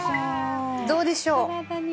どうでしょう？